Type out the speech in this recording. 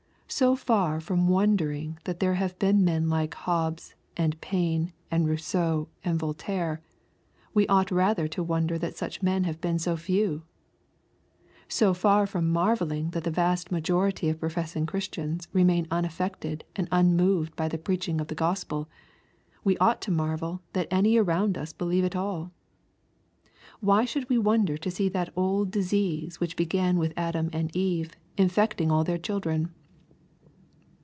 So far from wondering that there have been men like Hobbes, and Paine, and Bousseau, and Voltaire, we ought rather to wonder that such men have been so few. So far from marvelling that the vast majority of professing Christians remain unaf fected and unmoved by the preaching of the Gospel, we ought to marvel that any around us believe at all. Why should we wonder to see that old disease which began with Adam and Eve infecting all their chiidren